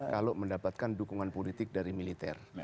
kalau mendapatkan dukungan politik dari militer